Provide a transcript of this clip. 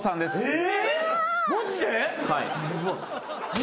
え！